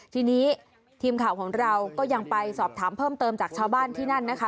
ทีนี้ทีมข่าวของเราก็ยังไปสอบถามเพิ่มเติมจากชาวบ้านที่นั่นนะคะ